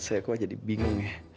saya kok jadi bingung